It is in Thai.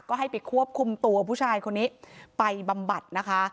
ก็ให้ไปควบคุมตัวผู้ชายคนนี้ไปบำบัดนะคะ